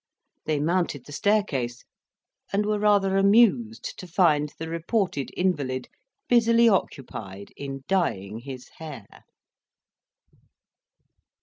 They mounted the staircase, and were rather amused to find the reported invalid busily occupied in dyeing his hair.